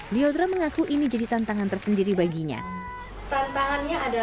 liodra mengaku ini jadi tantangan tersendiri baginya ada